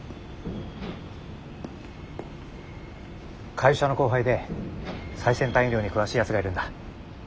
会社の後輩で最先端医療に詳しいやつがいるんだ。